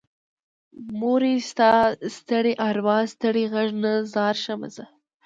مورې ستا ستړي ارواه ستړې غږ نه ځار شمه زه